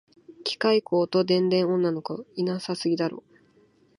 機械工と電電女の子いなさすぎだろ